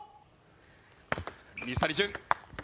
水谷隼。